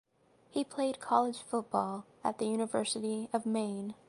He played college football at the University of Maine.